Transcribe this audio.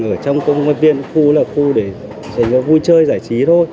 ở trong công an viên khu là khu để dành cho vui chơi giải trí thôi